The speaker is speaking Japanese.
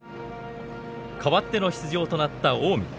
代わっての出場となった近江。